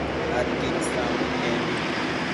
adquid isambo iquembi